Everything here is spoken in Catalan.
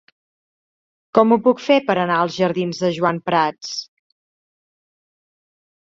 Com ho puc fer per anar als jardins de Joan Prats?